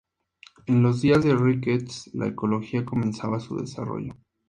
En los días de Ricketts, la ecología comenzaba su desarrollo.